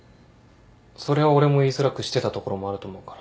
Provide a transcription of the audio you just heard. それは俺も言いづらくしてたところもあると思うから。